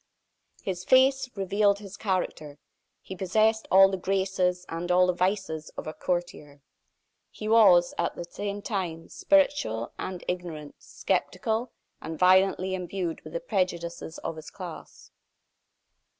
His face revealed his character. He possessed all the graces and all the vices of a courtier. He was, at the same time spirituel and ignorant, sceptical and violently imbued with the prejudices of his class.